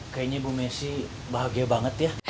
kayaknya bumesi bahagia banget ya